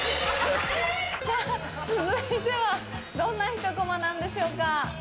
続いてはどんなひとコマなんでしょうか。